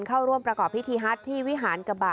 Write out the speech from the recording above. เข้าร่วมประกอบพิธีฮัทที่วิหารกระบะ